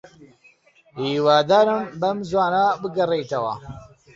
هیوادارم بەم زووانە بگەڕێیتەوە.